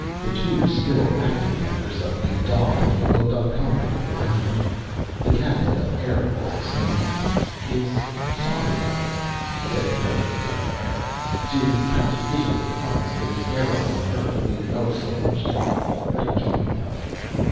The two still active members of the Dail Committee looked uncomfortably around them. The cabinet of Eire was assembled. "It's sorry I am," said the President of Eire, "to have to issue a defiance to the Eire on Earth we owe so much to. But it can't be helped.